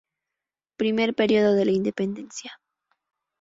Primer periodo de la independencia.